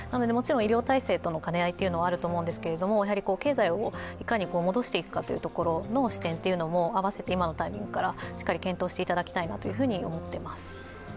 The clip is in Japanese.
もちろん医療体制との兼ね合いはあると思うんですけれども、経済をいかに戻していくかという視点というものをあわせて今のタイミングからしっかり検討していただきたいと思っています。